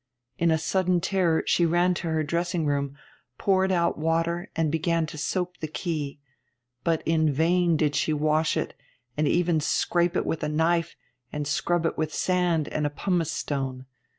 In a sudden terror she ran to her dressing room, poured out water, and began to soap the key. But in vain did she wash it, and even scrape it with a knife and scrub it with sand and pumice stone.